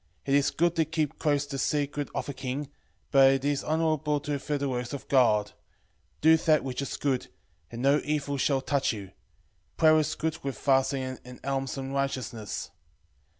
12:7 It is good to keep close the secret of a king, but it is honourable to reveal the works of God. Do that which is good, and no evil shall touch you. 12:8 Prayer is good with fasting and alms and righteousness.